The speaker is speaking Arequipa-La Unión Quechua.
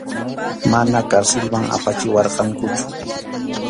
Mana karsilman apachiwarqankuchu.